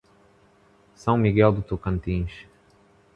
São Miguel do Tocantins